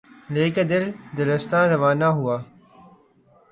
لے کے دل، دلستاں روانہ ہوا